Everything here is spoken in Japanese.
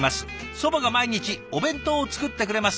祖母が毎日お弁当を作ってくれます」。